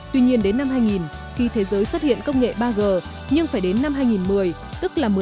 tuy nhiên đến năm hai nghìn khi thế giới xuất hiện công nghệ ba g nhưng phải đến năm hai nghìn một mươi